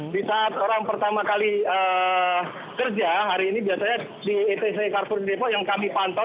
di saat orang pertama kali kerja hari ini biasanya di etc car free depok yang kami pantau